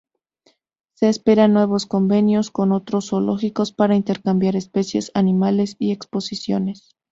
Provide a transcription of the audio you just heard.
Se esperan nuevos convenios con otros zoológicos, para intercambiar especies animales y exposiciones.